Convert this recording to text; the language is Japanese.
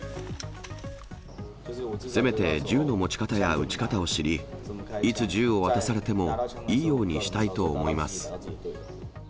せめて銃の持ち方や撃ち方を知り、いつ銃を渡されてもいいようにしたいと思います。